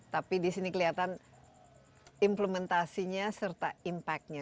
tapi di sini kelihatan implementasinya serta impact nya